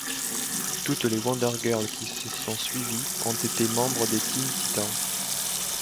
Toutes les Wonder Girl qui se sont suivies ont été membres des Teen Titans.